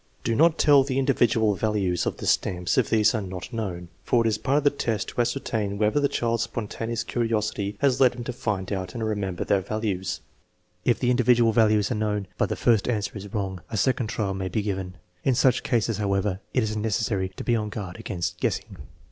" Do not tell the individual values of the stamps if these are not known, for it is a part of the test to ascertain whether the child's spontaneous curiosity has led him to find out and remember their values. If the individual values are known, but the first answer is wrong, a second trial may be given. In such cases, however, it is necessary to be on guard against guessing.